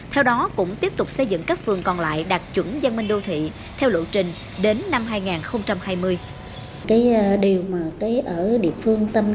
theo đó cũng tiếp tục xây dựng các phường còn lại đạt chuẩn gian minh đô thị theo lộ trình đến năm hai nghìn hai mươi